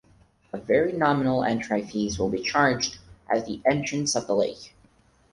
A very nominal entry fees will be charged at the entrance of the lake.